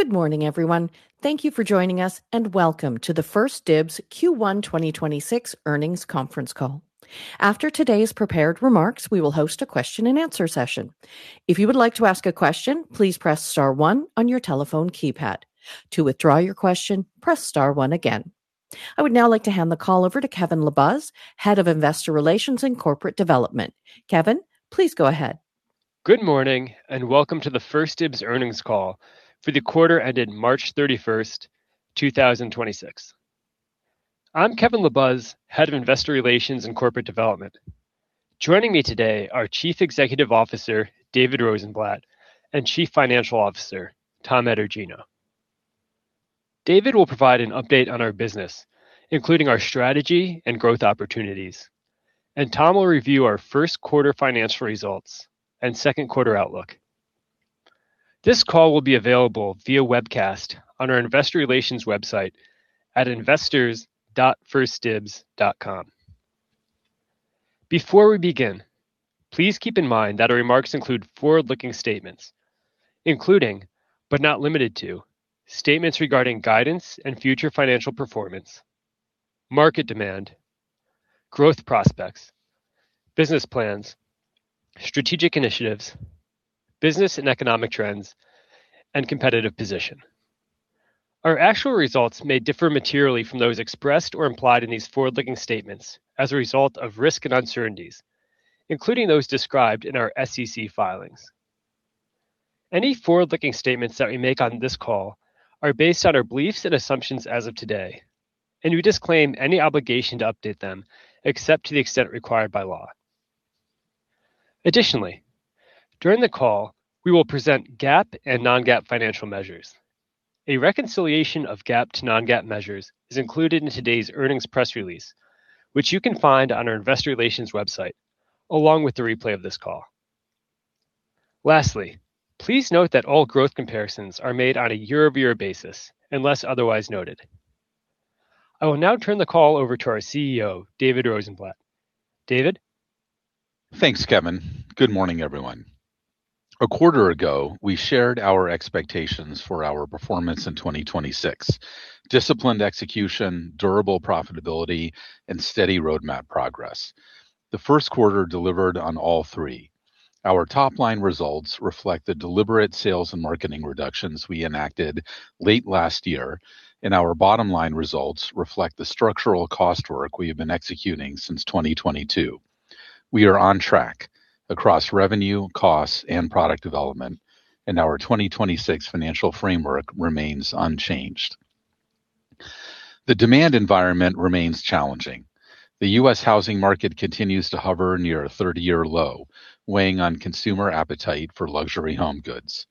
Good morning, everyone. Thank you for joining us, and welcome to the 1stDibs Q1 2026 Earnings Conference Call. After today's prepared remarks, we will host a question and answer session. I would now like to hand the call over to Kevin LaBuz, Head of Investor Relations and Corporate Development. Kevin, please go ahead. Good morning. Welcome to the 1stDibs earnings call for the quarter ended March 31st, 2026. I'm Kevin LaBuz, Head of Investor Relations and Corporate Development. Joining me today are Chief Executive Officer, David Rosenblatt, and Chief Financial Officer, Tom Etergino. David will provide an update on our business, including our strategy and growth opportunities, and Tom will review our first quarter financial results and second quarter outlook. This call will be available via webcast on our investor relations website at investors.1stdibs.com. Before we begin, please keep in mind that our remarks include forward-looking statements, including, but not limited to, statements regarding guidance and future financial performance, market demand, growth prospects, business plans, strategic initiatives, business and economic trends, and competitive position. Our actual results may differ materially from those expressed or implied in these forward-looking statements as a result of risks and uncertainties, including those described in our SEC filings. Any forward-looking statements that we make on this call are based on our beliefs and assumptions as of today, and we disclaim any obligation to update them except to the extent required by law. Additionally, during the call, we will present GAAP and non-GAAP financial measures. A reconciliation of GAAP to non-GAAP measures is included in today's earnings press release, which you can find on our investor relations website along with the replay of this call. Lastly, please note that all growth comparisons are made on a year-over-year basis, unless otherwise noted. I will now turn the call over to our CEO, David Rosenblatt. David? Thanks, Kevin. Good morning, everyone. A quarter ago, we shared our expectations for our performance in 2026: disciplined execution, durable profitability, and steady roadmap progress. The first quarter delivered on all three. Our top-line results reflect the deliberate sales and marketing reductions we enacted late last year, and our bottom-line results reflect the structural cost work we have been executing since 2022. We are on track across revenue, costs, and product development, and our 2026 financial framework remains unchanged. The demand environment remains challenging. The U.S. housing market continues to hover near a 30-year low, weighing on consumer appetite for luxury home goods.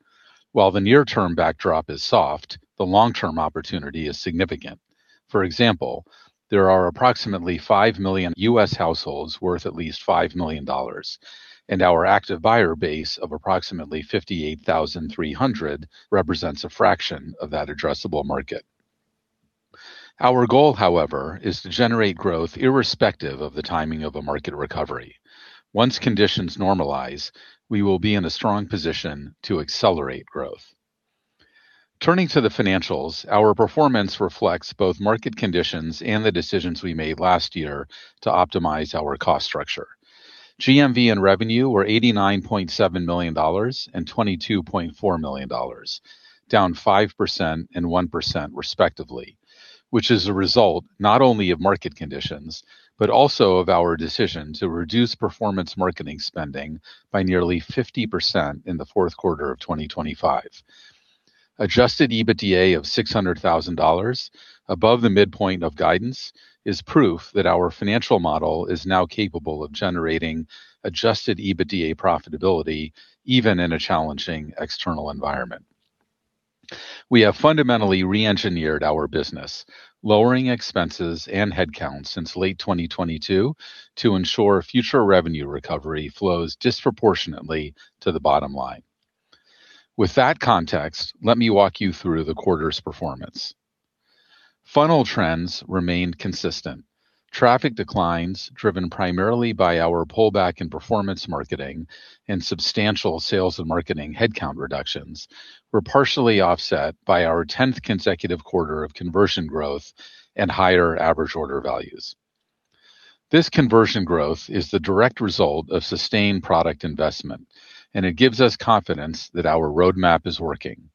While the near-term backdrop is soft, the long-term opportunity is significant. For example, there are approximately 5 million U.S. households worth at least $5 million, and our active buyer base of approximately 58,300 represents a fraction of that addressable market. Our goal, however, is to generate growth irrespective of the timing of a market recovery. Once conditions normalize, we will be in a strong position to accelerate growth. Turning to the financials, our performance reflects both market conditions and the decisions we made last year to optimize our cost structure. GMV and revenue were $89.7 million and $22.4 million, down 5% and 1% respectively, which is a result not only of market conditions, but also of our decision to reduce performance marketing spending by nearly 50% in the fourth quarter of 2025. Adjusted EBITDA of $600,000 above the midpoint of guidance is proof that our financial model is now capable of generating adjusted EBITDA profitability even in a challenging external environment. We have fundamentally re-engineered our business, lowering expenses and headcount since late 2022 to ensure future revenue recovery flows disproportionately to the bottom line. With that context, let me walk you through the quarter's performance. Funnel trends remained consistent. Traffic declines, driven primarily by our pullback in performance marketing and substantial sales and marketing headcount reductions, were partially offset by our 10th consecutive quarter of conversion growth and higher average order values. This conversion growth is the direct result of sustained product investment, and it gives us confidence that our roadmap is working.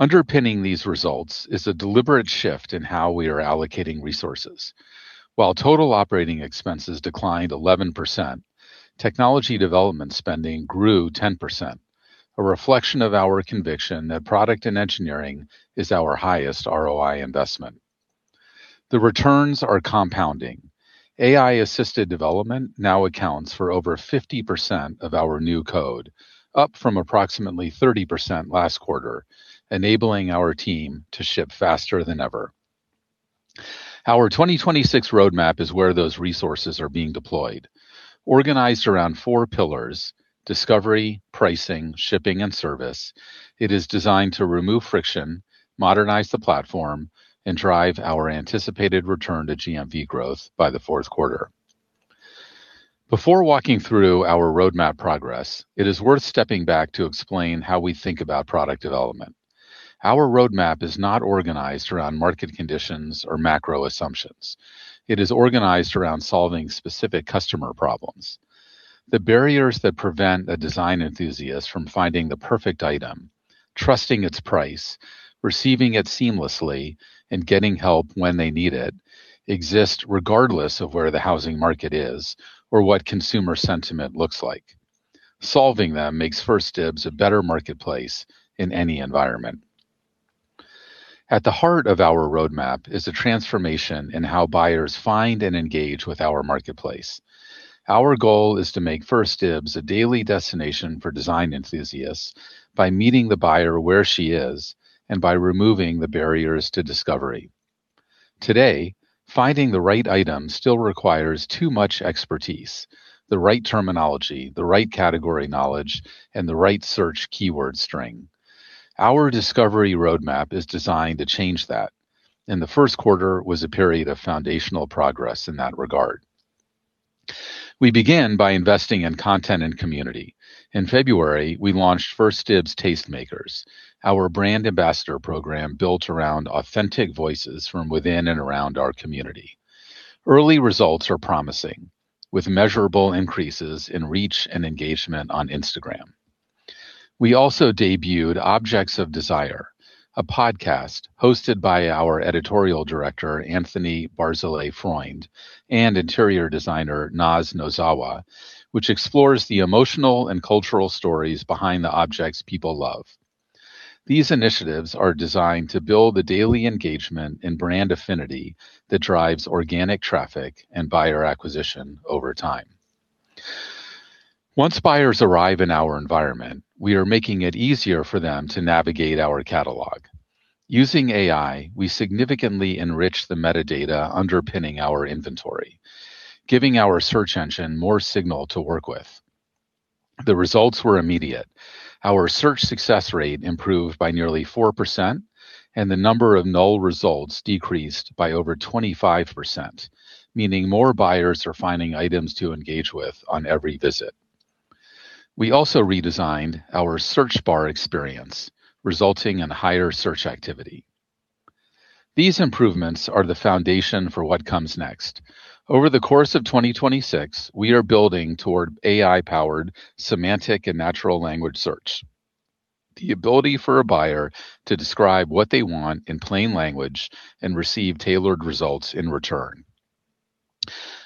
Underpinning these results is a deliberate shift in how we are allocating resources. While total operating expenses declined 11%, technology development spending grew 10%, a reflection of our conviction that product and engineering is our highest ROI investment. The returns are compounding. AI-assisted development now accounts for over 50% of our new code, up from approximately 30% last quarter, enabling our team to ship faster than ever. Our 2026 roadmap is where those resources are being deployed. Organized around four pillars, discovery, pricing, shipping, and service, it is designed to remove friction, modernize the platform, and drive our anticipated return to GMV growth by the fourth quarter. Before walking through our roadmap progress, it is worth stepping back to explain how we think about product development. Our roadmap is not organized around market conditions or macro assumptions. It is organized around solving specific customer problems. The barriers that prevent a design enthusiast from finding the perfect item, trusting its price, receiving it seamlessly, and getting help when they need it exist regardless of where the housing market is or what consumer sentiment looks like. Solving them makes 1stDibs a better marketplace in any environment. At the heart of our roadmap is a transformation in how buyers find and engage with our marketplace. Our goal is to make 1stDibs a daily destination for design enthusiasts by meeting the buyer where she is and by removing the barriers to discovery. Today, finding the right item still requires too much expertise, the right terminology, the right category knowledge, and the right search keyword string. Our discovery roadmap is designed to change that, and the first quarter was a period of foundational progress in that regard. We begin by investing in content and community. In February, we launched 1stDibs Tastemakers, our brand ambassador program built around authentic voices from within and around our community. Early results are promising, with measurable increases in reach and engagement on Instagram. We also debuted Objects of Desire, a podcast hosted by our editorial director, Anthony Barzilay Freund, and interior designer, Noz Nozawa, which explores the emotional and cultural stories behind the objects people love. These initiatives are designed to build the daily engagement and brand affinity that drives organic traffic and buyer acquisition over time. Once buyers arrive in our environment, we are making it easier for them to navigate our catalog. Using AI, we significantly enrich the metadata underpinning our inventory, giving our search engine more signal to work with. The results were immediate. Our search success rate improved by nearly 4%, and the number of null results decreased by over 25%, meaning more buyers are finding items to engage with on every visit. We also redesigned our search bar experience, resulting in higher search activity. These improvements are the foundation for what comes next. Over the course of 2026, we are building toward AI-powered semantic and natural language search, the ability for a buyer to describe what they want in plain language and receive tailored results in return.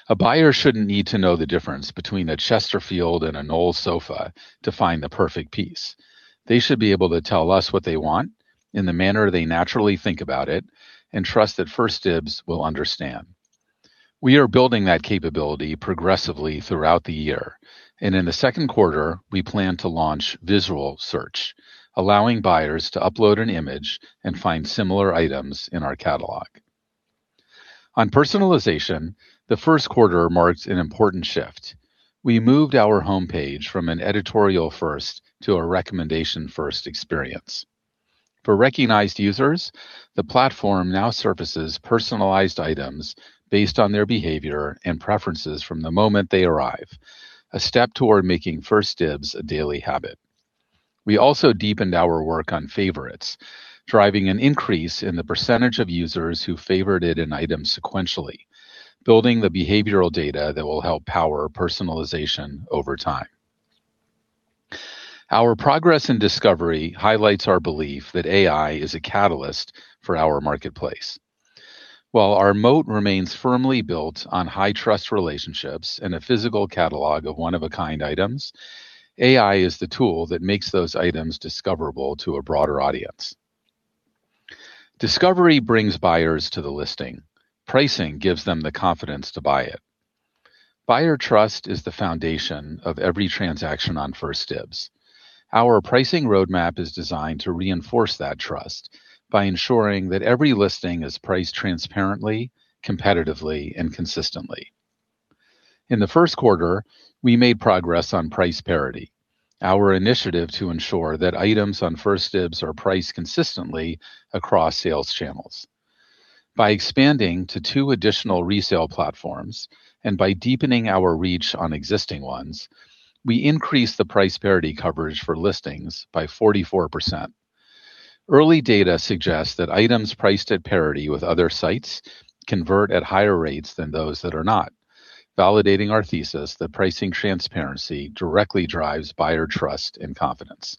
A buyer shouldn't need to know the difference between a Chesterfield and a Knoll sofa to find the perfect piece. They should be able to tell us what they want in the manner they naturally think about it and trust that 1stDibs will understand. We are building that capability progressively throughout the year, and in the second quarter, we plan to launch visual search, allowing buyers to upload an image and find similar items in our catalog. On personalization, the first quarter marks an important shift. We moved our homepage from an editorial-first to a recommendation-first experience. For recognized users, the platform now surfaces personalized items based on their behavior and preferences from the moment they arrive, a step toward making 1stDibs a daily habit. We also deepened our work on favorites, driving an increase in the percentage of users who favorited an item sequentially, building the behavioral data that will help power personalization over time. Our progress in discovery highlights our belief that AI is a catalyst for our marketplace. While our moat remains firmly built on high-trust relationships and a physical catalog of one-of-a-kind items, AI is the tool that makes those items discoverable to a broader audience. Discovery brings buyers to the listing. Pricing gives them the confidence to buy it. Buyer trust is the foundation of every transaction on 1stDibs. Our pricing roadmap is designed to reinforce that trust by ensuring that every listing is priced transparently, competitively, and consistently. In the first quarter, we made progress on price parity, our initiative to ensure that items on 1stDibs are priced consistently across sales channels. By expanding to two additional resale platforms and by deepening our reach on existing ones, we increased the price parity coverage for listings by 44%. Early data suggests that items priced at parity with other sites convert at higher rates than those that are not, validating our thesis that pricing transparency directly drives buyer trust and confidence.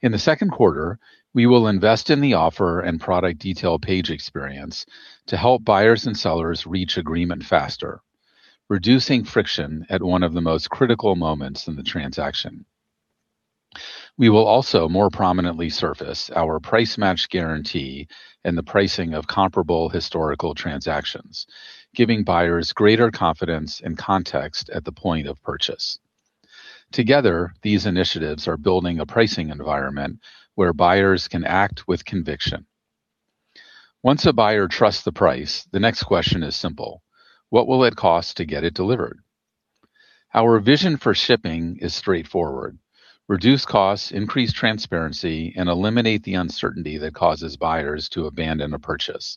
In the second quarter, we will invest in the offer and product detail page experience to help buyers and sellers reach agreement faster, reducing friction at one of the most critical moments in the transaction. We will also more prominently surface our price match guarantee and the pricing of comparable historical transactions, giving buyers greater confidence and context at the point of purchase. Together, these initiatives are building a pricing environment where buyers can act with conviction. Once a buyer trusts the price, the next question is simple: What will it cost to get it delivered? Our vision for shipping is straightforward: reduce costs, increase transparency, and eliminate the uncertainty that causes buyers to abandon a purchase.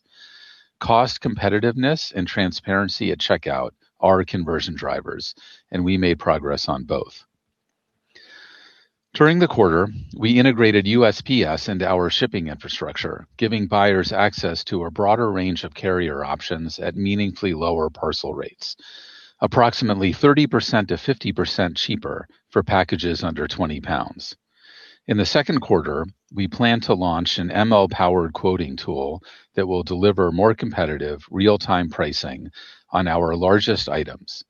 Cost competitiveness and transparency at checkout are conversion drivers, and we made progress on both. During the quarter, we integrated USPS into our shipping infrastructure, giving buyers access to a broader range of carrier options at meaningfully lower parcel rates. Approximately 30%-50% cheaper for packages under 20 lbs. In the second quarter, we plan to launch an ML-powered quoting tool that will deliver more competitive real-time pricing on our largest items,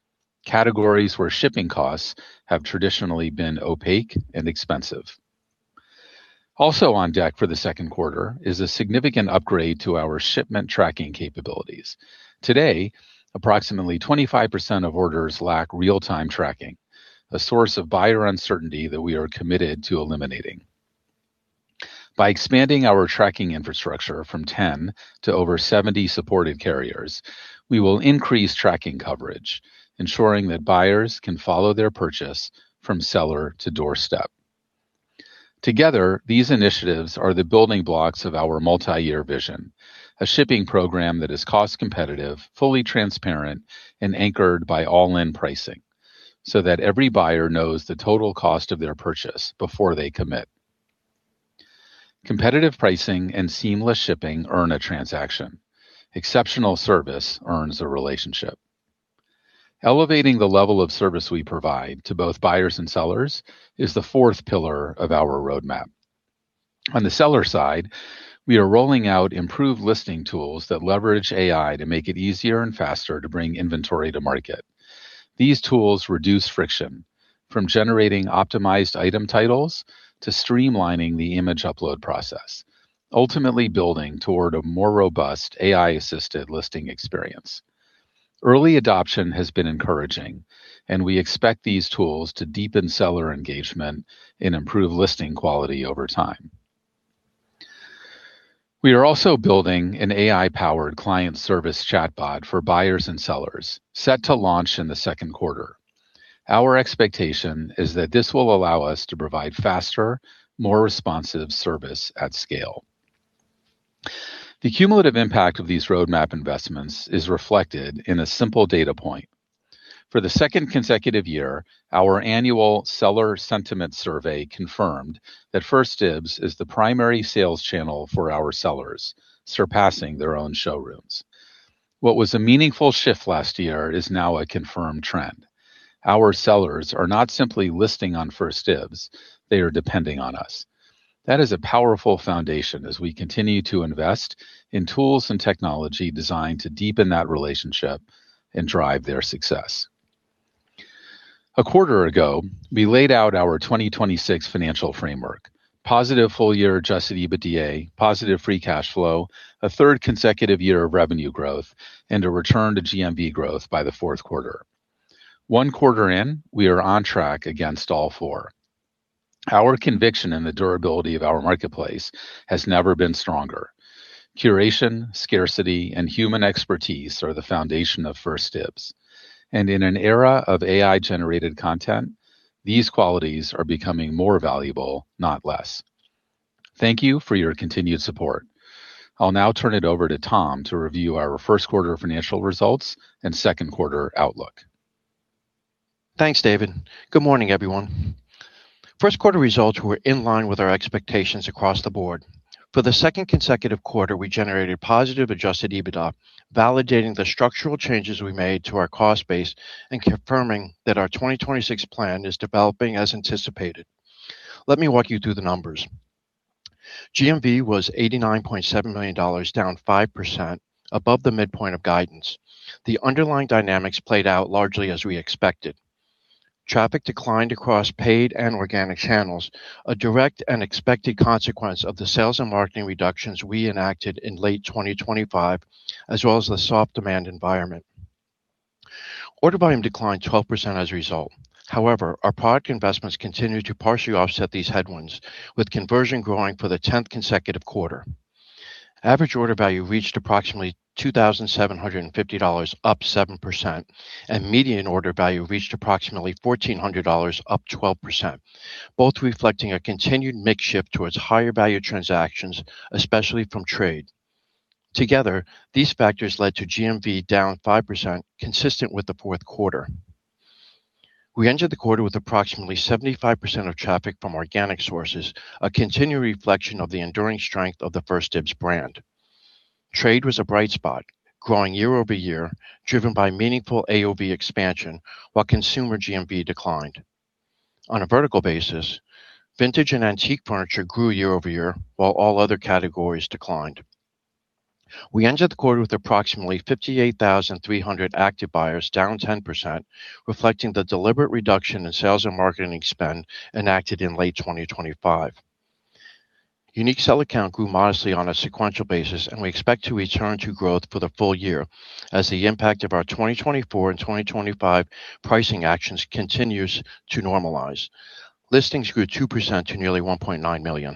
categories where shipping costs have traditionally been opaque and expensive. Also on deck for the second quarter is a significant upgrade to our shipment tracking capabilities. Today, approximately 25% of orders lack real-time tracking, a source of buyer uncertainty that we are committed to eliminating. By expanding our tracking infrastructure from 10 to over 70 supported carriers, we will increase tracking coverage, ensuring that buyers can follow their purchase from seller to doorstep. Together, these initiatives are the building blocks of our multi-year vision, a shipping program that is cost-competitive, fully transparent, and anchored by all-in pricing so that every buyer knows the total cost of their purchase before they commit. Competitive pricing and seamless shipping earn a transaction. Exceptional service earns a relationship. Elevating the level of service we provide to both buyers and sellers is the fourth pillar of our roadmap. On the seller side, we are rolling out improved listing tools that leverage AI to make it easier and faster to bring inventory to market. These tools reduce friction from generating optimized item titles to streamlining the image upload process, ultimately building toward a more robust AI-assisted listing experience. Early adoption has been encouraging, and we expect these tools to deepen seller engagement and improve listing quality over time. We are also building an AI-powered client service chatbot for buyers and sellers set to launch in the second quarter. Our expectation is that this will allow us to provide faster, more responsive service at scale. The cumulative impact of these roadmap investments is reflected in a simple data point. For the second consecutive year, our annual seller sentiment survey confirmed that 1stDibs is the primary sales channel for our sellers, surpassing their own showrooms. What was a meaningful shift last year is now a confirmed trend. Our sellers are not simply listing on 1stDibs, they are depending on us. That is a powerful foundation as we continue to invest in tools and technology designed to deepen that relationship and drive their success. A quarter ago, we laid out our 2026 financial framework, positive full-year adjusted EBITDA, positive free cash flow, a third consecutive year of revenue growth, and a return to GMV growth by the fourth quarter. One quarter in, we are on track against all four. Our conviction in the durability of our marketplace has never been stronger. Curation, scarcity, and human expertise are the foundation of 1stDibs, and in an era of AI-generated content, these qualities are becoming more valuable, not less. Thank you for your continued support. I'll now turn it over to Tom to review our first quarter financial results and second quarter outlook. Thanks, David. Good morning, everyone. First quarter results were in line with our expectations across the board. For the second consecutive quarter, we generated positive adjusted EBITDA, validating the structural changes we made to our cost base and confirming that our 2026 plan is developing as anticipated. Let me walk you through the numbers. GMV was $89.7 million, down 5% above the midpoint of guidance. The underlying dynamics played out largely as we expected. Traffic declined across paid and organic channels, a direct and expected consequence of the sales and marketing reductions we enacted in late 2025, as well as the soft demand environment. Order volume declined 12% as a result. However, our product investments continued to partially offset these headwinds, with conversion growing for the 10th consecutive quarter. Average order value reached approximately $2,750, up 7%, and median order value reached approximately $1,400, up 12%, both reflecting a continued mix shift towards higher value transactions, especially from trade. Together, these factors led to GMV down 5%, consistent with the fourth quarter. We entered the quarter with approximately 75% of traffic from organic sources, a continued reflection of the enduring strength of the 1stDibs brand. Trade was a bright spot, growing year-over-year, driven by meaningful AOV expansion while consumer GMV declined. On a vertical basis, vintage and antique furniture grew year-over-year while all other categories declined. We ended the quarter with approximately 58,300 active buyers, down 10%, reflecting the deliberate reduction in sales and marketing spend enacted in late 2025. Unique sell account grew modestly on a sequential basis. We expect to return to growth for the full year as the impact of our 2024 and 2025 pricing actions continues to normalize. Listings grew 2% to nearly 1.9 million.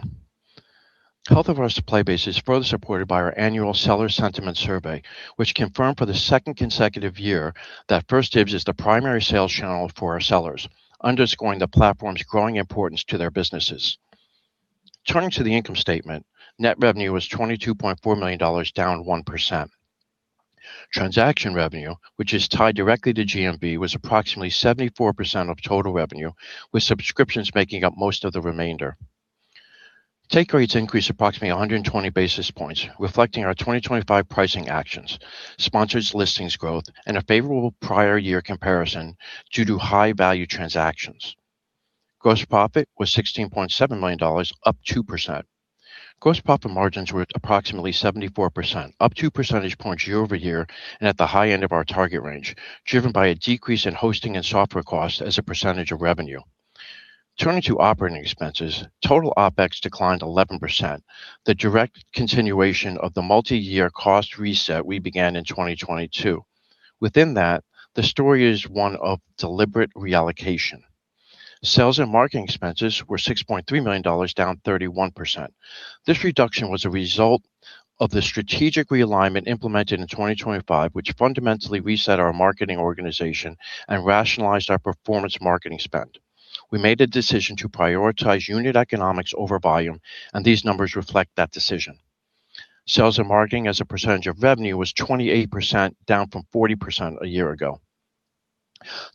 Health of our supply base is further supported by our annual seller sentiment survey, which confirmed for the second consecutive year that 1stDibs is the primary sales channel for our sellers, underscoring the platform's growing importance to their businesses. Turning to the income statement, net revenue was $22.4 million, down 1%. Transaction revenue, which is tied directly to GMV, was approximately 74% of total revenue, with subscriptions making up most of the remainder. Take rates increased approximately 120 basis points, reflecting our 2025 pricing actions, Sponsored Listings growth, and a favorable prior year comparison due to high-value transactions. Gross profit was $16.7 million, up 2%. Gross profit margins were approximately 74%, up 2 percentage points year-over-year and at the high end of our target range, driven by a decrease in hosting and software costs as a percentage of revenue. Turning to operating expenses, total OpEx declined 11%, the direct continuation of the multi-year cost reset we began in 2022. Within that, the story is one of deliberate reallocation. Sales and marketing expenses were $6.3 million, down 31%. This reduction was a result of the strategic realignment implemented in 2025, which fundamentally reset our marketing organization and rationalized our performance marketing spend. We made a decision to prioritize unit economics over volume, and these numbers reflect that decision. Sales and marketing as a percentage of revenue was 28%, down from 40% a year ago.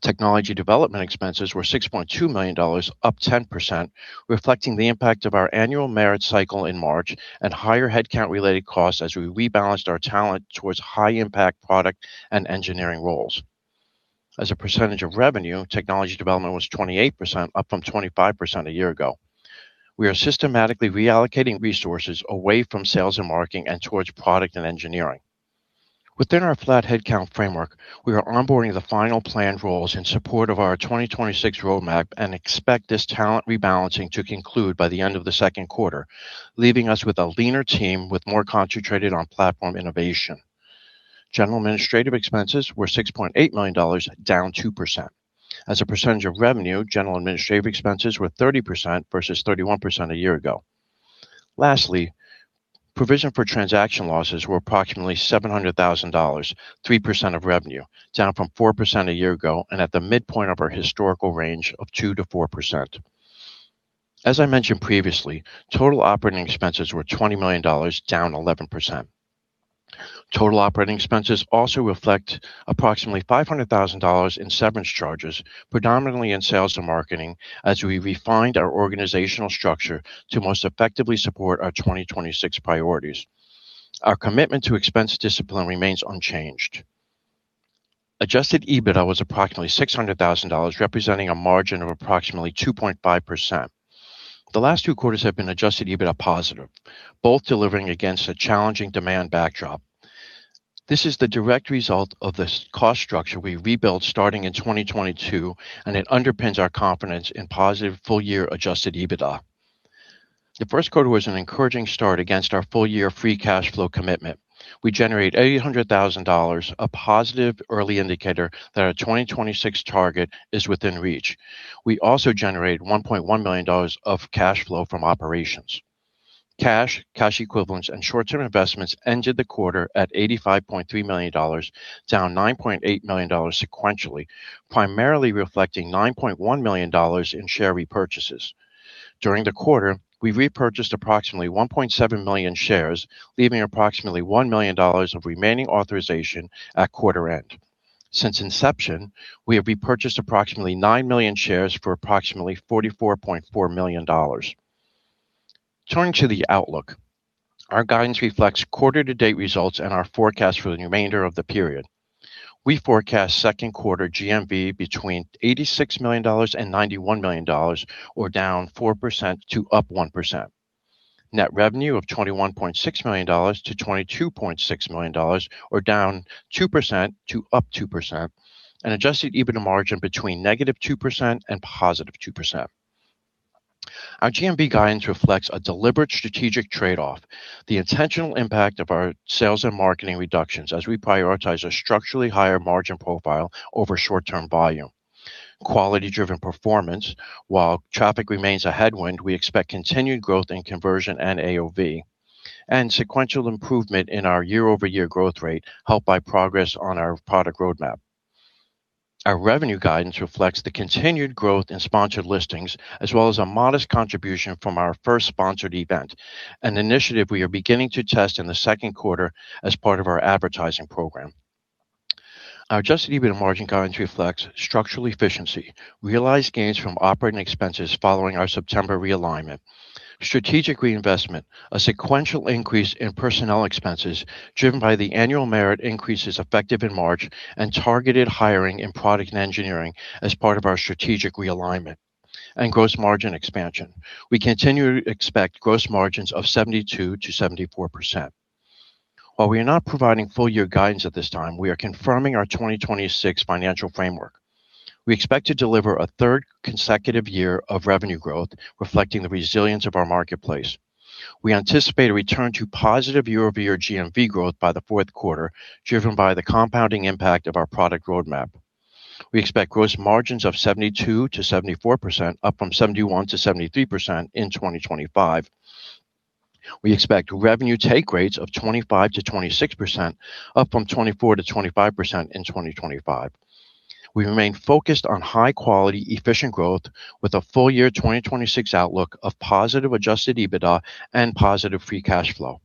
Technology development expenses were $6.2 million, up 10%, reflecting the impact of our annual merit cycle in March and higher headcount-related costs as we rebalanced our talent towards high-impact product and engineering roles. As a percentage of revenue, technology development was 28%, up from 25% a year ago. We are systematically reallocating resources away from sales and marketing and towards product and engineering. Within our flat headcount framework, we are onboarding the final planned roles in support of our 2026 roadmap and expect this talent rebalancing to conclude by the end of the second quarter, leaving us with a leaner team with more concentrated on platform innovation. General administrative expenses were $6.8 million, down 2%. As a percentage of revenue, general administrative expenses were 30% versus 31% a year ago. Lastly, provision for transaction losses were approximately $700,000, 3% of revenue, down from 4% a year ago and at the midpoint of our historical range of 2%-4%. As I mentioned previously, total operating expenses were $20 million, down 11%. Total operating expenses also reflect approximately $500,000 in severance charges, predominantly in sales and marketing, as we refined our organizational structure to most effectively support our 2026 priorities. Our commitment to expense discipline remains unchanged. Adjusted EBITDA was approximately $600,000, representing a margin of approximately 2.5%. The last two quarters have been adjusted EBITDA positive, both delivering against a challenging demand backdrop. This is the direct result of this cost structure we rebuilt starting in 2022. It underpins our confidence in positive full-year adjusted EBITDA. The first quarter was an encouraging start against our full-year free cash flow commitment. We generate $800,000, a positive early indicator that our 2026 target is within reach. We also generate $1.1 million of cash flow from operations. Cash, cash equivalents, and short-term investments ended the quarter at $85.3 million, down $9.8 million sequentially, primarily reflecting $9.1 million in share repurchases. During the quarter, we repurchased approximately 1.7 million shares, leaving approximately $1 million of remaining authorization at quarter end. Since inception, we have repurchased approximately 9 million shares for approximately $44.4 million. Turning to the outlook. Our guidance reflects quarter-to-date results and our forecast for the remainder of the period. We forecast second quarter GMV between $86 million and $91 million, or down 4% to up 1%. Net revenue of $21.6 million to $22.6 million, or down 2% to up 2%, and adjusted EBITDA margin between -2% and +2%. Our GMV guidance reflects a deliberate strategic trade-off, the intentional impact of our sales and marketing reductions as we prioritize a structurally higher margin profile over short-term volume. Quality-driven performance. While traffic remains a headwind, we expect continued growth in conversion and AOV and sequential improvement in our year-over-year growth rate helped by progress on our product roadmap. Our revenue guidance reflects the continued growth in Sponsored Listings, as well as a modest contribution from our first sponsored event, an initiative we are beginning to test in the second quarter as part of our advertising program. Our adjusted EBITDA margin guidance reflects structural efficiency, realized gains from operating expenses following our September realignment. Strategic reinvestment, a sequential increase in personnel expenses driven by the annual merit increases effective in March and targeted hiring in product and engineering as part of our strategic realignment and gross margin expansion. We continue to expect gross margins of 72%-74%. While we are not providing full year guidance at this time, we are confirming our 2026 financial framework. We expect to deliver a third consecutive year of revenue growth, reflecting the resilience of our marketplace. We anticipate a return to positive year-over-year GMV growth by the fourth quarter, driven by the compounding impact of our product roadmap. We expect gross margins of 72%-74%, up from 71%-73% in 2025. We expect revenue take rates of 25%-26%, up from 24%-25% in 2025. We remain focused on high quality, efficient growth with a full year 2026 outlook of positive adjusted EBITDA and positive free cash flow.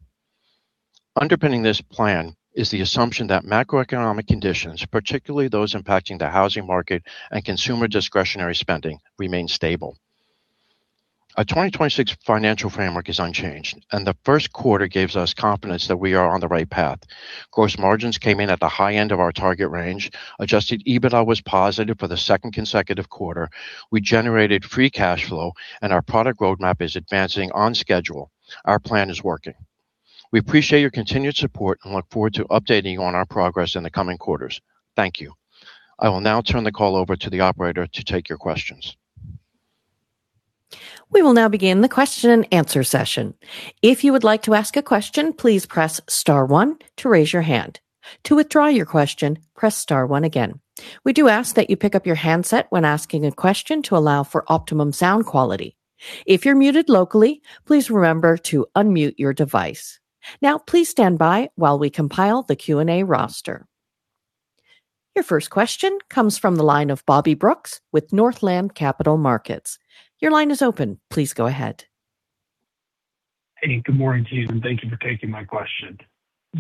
Underpinning this plan is the assumption that macroeconomic conditions, particularly those impacting the housing market and consumer discretionary spending, remain stable. Our 2026 financial framework is unchanged, and the first quarter gives us confidence that we are on the right path. Gross margins came in at the high end of our target range. Adjusted EBITDA was positive for the second consecutive quarter. We generated free cash flow and our product roadmap is advancing on schedule. Our plan is working. We appreciate your continued support and look forward to updating you on our progress in the coming quarters. Thank you. I will now turn the call over to the operator to take your questions. We will now begin the question and answer session. If you would like to ask a question, please press star one to raise your hand. To withdraw your question, press star one again. We do ask that you pick up your handset when asking a question to allow for optimum sound quality. If you're muted locally, please remember to unmute your device. Now please stand by while we compile the Q&A roster. Your first question comes from the line of Bobby Brooks with Northland Capital Markets. Your line is open. Please go ahead. Good morning to you. Thank you for taking my question.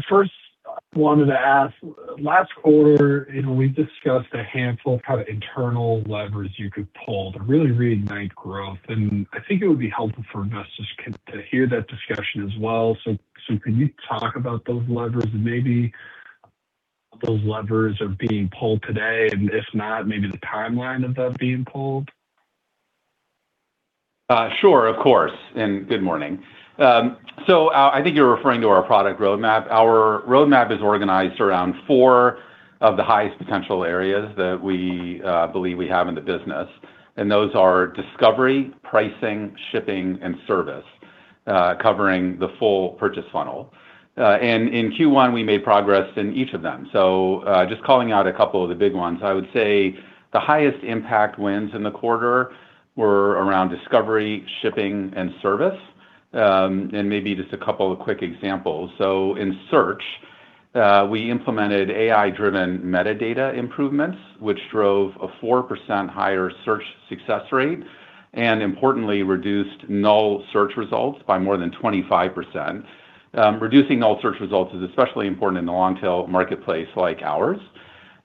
First, I wanted to ask, last quarter, you know, we discussed a handful of kind of internal levers you could pull to really reignite growth, and I think it would be helpful for investors to hear that discussion as well. Can you talk about those levers and maybe those levers are being pulled today? If not, maybe the timeline of them being pulled. Sure. Of course, and good morning. I think you're referring to our product roadmap. Our roadmap is organized around four of the highest potential areas that we believe we have in the business, and those are discovery, pricing, shipping, and service, covering the full purchase funnel. In Q1 we made progress in each of them. Just calling out a couple of the big ones, I would say the highest impact wins in the quarter were around discovery, shipping, and service. Maybe just a couple of quick examples. In search, we implemented AI-driven metadata improvements, which drove a 4% higher search success rate and importantly reduced null search results by more than 25%. Reducing null search results is especially important in the long tail marketplace like ours.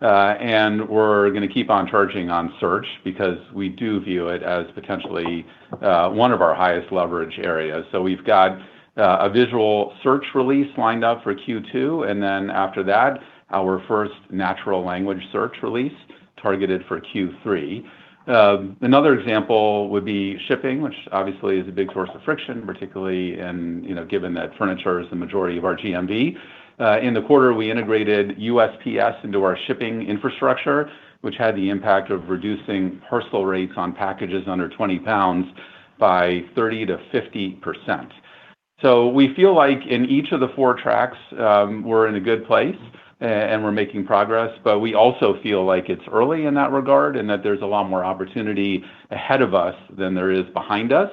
We're gonna keep on charging on search because we do view it as potentially one of our highest leverage areas. We've got a visual search release lined up for Q2, and then after that, our first natural language search release targeted for Q3. Another example would be shipping, which obviously is a big source of friction, particularly in, you know, given that furniture is the majority of our GMV. In the quarter, we integrated USPS into our shipping infrastructure, which had the impact of reducing parcel rates on packages under 20 lbs by 30%-50%. We feel like in each of the four tracks, and we're in a good place and we're making progress, but we also feel like it's early in that regard and that there's a lot more opportunity ahead of us than there is behind us.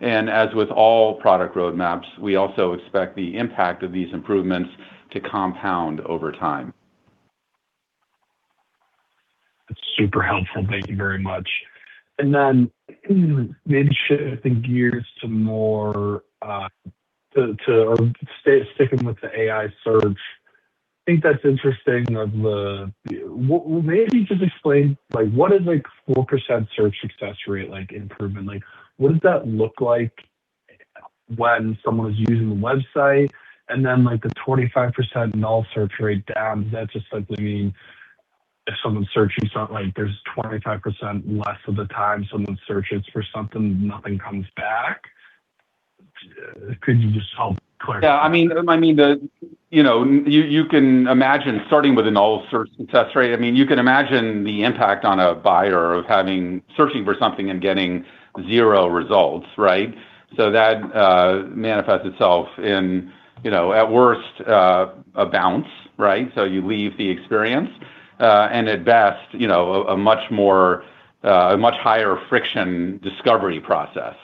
As with all product roadmaps, we also expect the impact of these improvements to compound over time. That's super helpful. Thank you very much. Maybe shifting gears to more sticking with the AI search, I think that's interesting of the well, maybe just explain, like what is a 4% search success rate like improvement? Like, what does that look like when someone is using the website? Like the 25% null search rate down, does that just simply mean if someone's searching something like there's 25% less of the time someone searches for something, nothing comes back? Could you just help clarify? I mean, you know, you can imagine starting with a null search success rate. I mean, you can imagine the impact on a buyer of searching for something and getting 0 results, right? That manifests itself in, you know, at worst, a bounce, right? You leave the experience, and at best, you know, a much more, a much higher friction discovery process.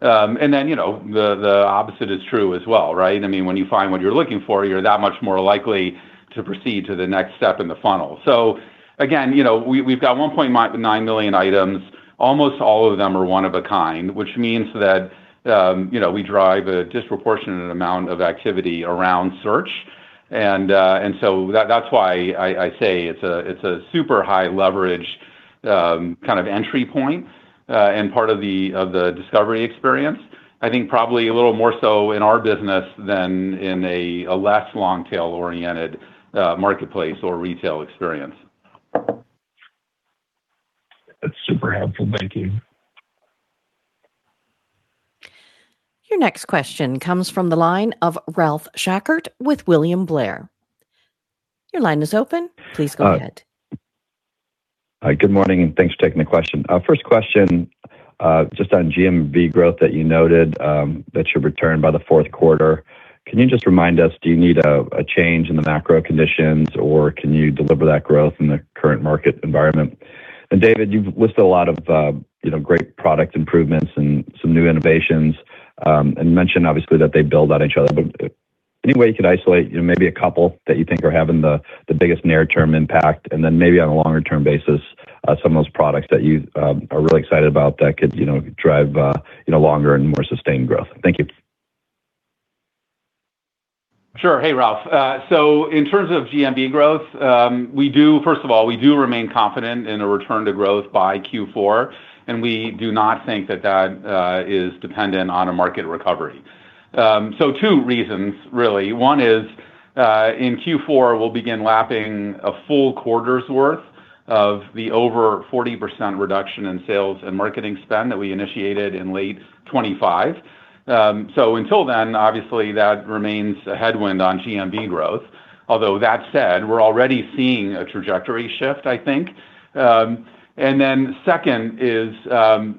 Then, you know, the opposite is true as well, right? I mean, when you find what you're looking for, you're that much more likely to proceed to the next step in the funnel. Again, you know, we've got 1.9 million items. Almost all of them are one of a kind, which means that, you know, we drive a disproportionate amount of activity around search. That's why I say it's a super high leverage kind of entry point and part of the discovery experience. I think probably a little more so in our business than in a less long tail oriented marketplace or retail experience. That's super helpful. Thank you. Your next question comes from the line of Ralph Schackart with William Blair. Your line is open. Please go ahead. Good morning, thanks for taking the question. First question. Just on GMV growth that you noted, that should return by the fourth quarter. Can you just remind us, do you need a change in the macro conditions, or can you deliver that growth in the current market environment? David, you've listed a lot of, you know, great product improvements and some new innovations, and mentioned obviously that they build on each other. Any way you could isolate, you know, maybe a couple that you think are having the biggest near-term impact and then maybe on a longer-term basis, some of those products that you are really excited about that could, you know, drive, longer and more sustained growth? Thank you. Sure. Hey, Ralph. In terms of GMV growth, we do remain confident in a return to growth by Q4, and we do not think that is dependent on a market recovery. Two reasons, really. One is, in Q4, we'll begin lapping a full quarter's worth of the over 40% reduction in sales and marketing spend that we initiated in late 2025. Until then, obviously that remains a headwind on GMV growth. Although that said, we're already seeing a trajectory shift, I think. Second is,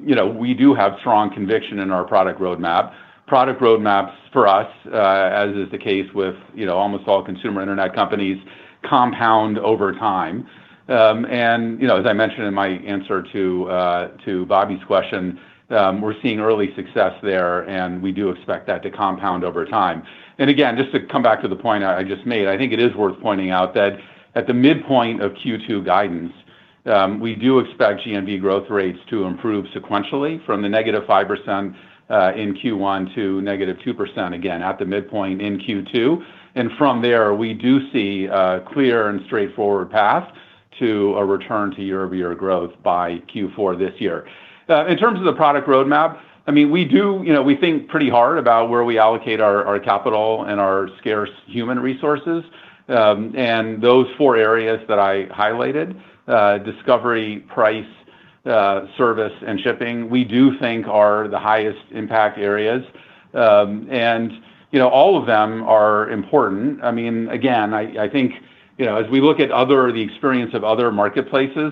you know, we do have strong conviction in our product roadmap. Product roadmaps for us, as is the case with, you know, almost all consumer internet companies, compound over time. You know, as I mentioned in my answer to Bobby's question, we're seeing early success there, and we do expect that to compound over time. Just to come back to the point I just made, I think it is worth pointing out that at the midpoint of Q2 guidance, we do expect GMV growth rates to improve sequentially from the -5% in Q1 to -2% again at the midpoint in Q2. From there, we do see a clear and straightforward path to a return to year-over-year growth by Q4 this year. In terms of the product roadmap, I mean, we do, you know, we think pretty hard about where we allocate our capital and our scarce human resources. Those four areas that I highlighted, discovery, price, service, and shipping, we do think are the highest impact areas. You know, all of them are important. I mean, again, I think, you know, as we look at the experience of other marketplaces,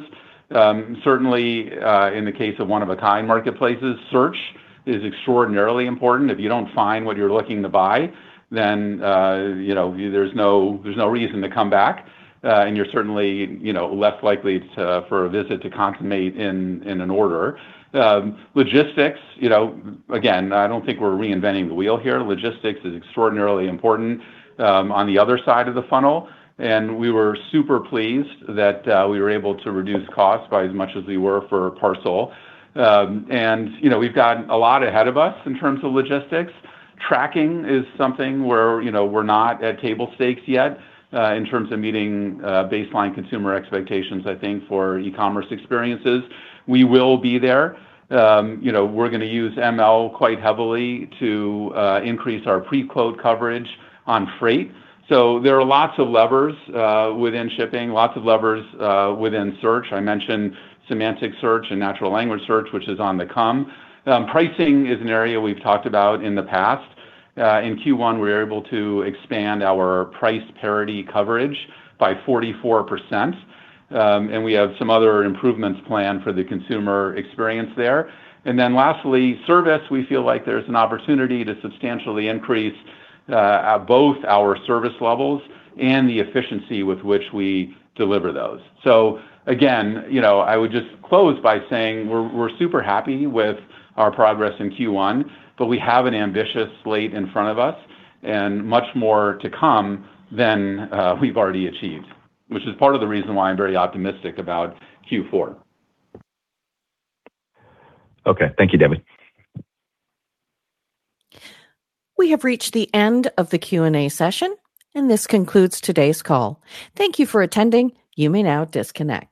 certainly, in the case of one-of-a-kind marketplaces, search is extraordinarily important. If you don't find what you're looking to buy, then, you know, there's no reason to come back. You're certainly, you know, less likely for a visit to consummate in an order. Logistics, you know, again, I don't think we're reinventing the wheel here. Logistics is extraordinarily important on the other side of the funnel, and we were super pleased that we were able to reduce costs by as much as we were for parcel. You know, we've got a lot ahead of us in terms of logistics. Tracking is something where, you know, we're not at table stakes yet in terms of meeting baseline consumer expectations, I think, for e-commerce experiences. We will be there. You know, we're gonna use ML quite heavily to increase our pre-quote coverage on freight. There are lots of levers within shipping, lots of levers within search. I mentioned semantic search and natural language search, which is on the come. Pricing is an area we've talked about in the past. In Q1, we were able to expand our price parity coverage by 44%, and we have some other improvements planned for the consumer experience there. Lastly, service, we feel like there's an opportunity to substantially increase both our service levels and the efficiency with which we deliver those. Again, you know, I would just close by saying we're super happy with our progress in Q1, but we have an ambitious slate in front of us and much more to come than we've already achieved, which is part of the reason why I'm very optimistic about Q4. Okay. Thank you, David. We have reached the end of the Q&A session, and this concludes today's call. Thank you for attending. You may now disconnect.